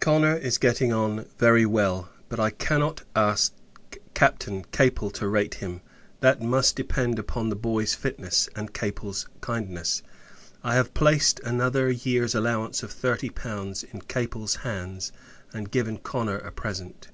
Connor is getting on very well: but, I cannot ask Captain Capel to rate him; that must depend upon the boy's fitness, and Capel's kindness. I have placed another year's allowance of thirty pounds in Capel's hands, and given Connor a present.